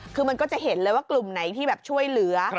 คือมันก็จะเห็นเลยว่ากลุ่มไหนที่แบบช่วยเหลือ